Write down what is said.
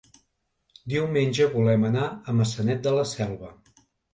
Diumenge volem anar a Maçanet de la Selva.